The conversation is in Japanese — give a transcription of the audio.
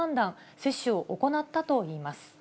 接種を行ったといいます。